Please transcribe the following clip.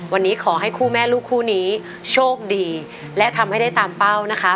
วันนี้ขอให้คู่แม่ลูกคู่นี้โชคดีและทำให้ได้ตามเป้านะคะ